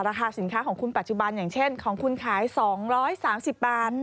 ราคาสินค้าของคุณปัจจุบันอย่างเช่นของคุณขาย๒๓๐บาท